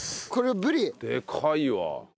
でかいわ。